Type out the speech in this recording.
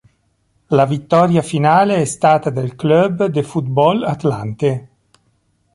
La vittoria finale è stata del Club de Fútbol Atlante.